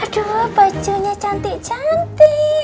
aduh bajunya cantik cantik